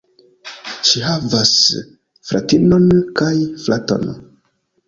Ŝi havas fratinon kaj fraton.